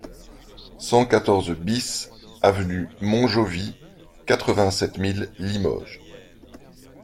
cent quatorze BIS avenue Montjovis, quatre-vingt-sept mille Limoges